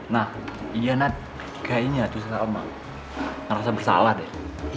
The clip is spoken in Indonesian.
nah iya nat kayaknya tuh salma ngerasa bersalah deh